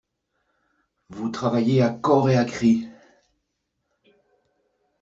Vous travaillez à corps et à cris.